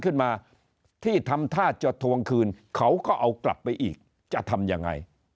ขึ้นมาที่ทำท่าจะทวงคืนเขาก็เอากลับไปอีกจะทำยังไง